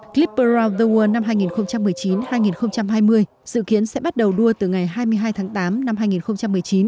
clipper round the world năm hai nghìn một mươi chín hai nghìn hai mươi dự kiến sẽ bắt đầu đua từ ngày hai mươi hai tháng tám năm hai nghìn một mươi chín